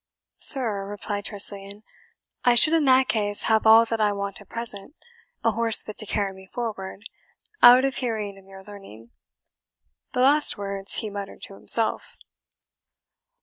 "Sir," replied Tressilian, "I should in that case have all that I want at present a horse fit to carry me forward; out of hearing of your learning." The last words he muttered to himself.